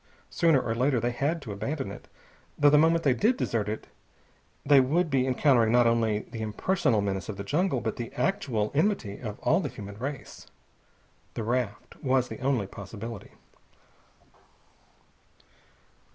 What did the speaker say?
Sooner or later they had to abandon it, though the moment they did desert it they would be encountering not only the impersonal menace of the jungle, but the actual enmity of all the human race. The raft was the only possibility.